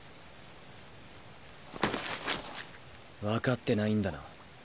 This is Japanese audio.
分かってないんだな。